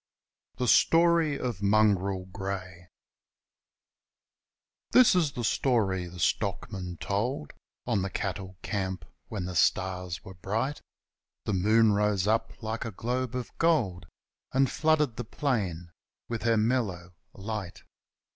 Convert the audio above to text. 219 STORY OF MONGREL GREY This is the story the stockman told On the cattle camp, when the stars were bright; The moon rose up like a globe of gold And flooded the plain with her mellow light.